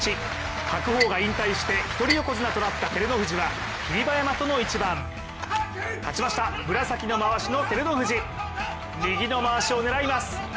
白鵬が引退して一人横綱となった照ノ富士は霧馬山との一番、勝ちました紫の回しの照ノ富士右の回しを狙います。